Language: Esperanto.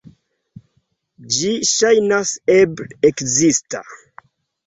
Ĝi ŝajnas eble ekzista.